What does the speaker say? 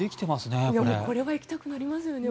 これは行きたくなりますよね。